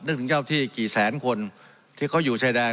ถึงเจ้าที่กี่แสนคนที่เขาอยู่ชายแดน